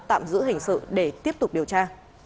tạm giữ hình sự để tiếp tục điều tra